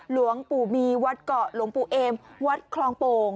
หลวงปู่มีวัดเกาะหลวงปู่เอมวัดคลองโป่ง